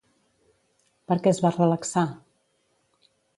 Per què es va relaxar?